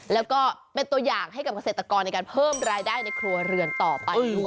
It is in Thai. แล้วก็เป็นตัวอย่างให้กับเกษตรกรในการเพิ่มรายได้ในครัวเรือนต่อไปด้วย